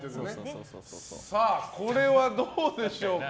これはどうでしょうか？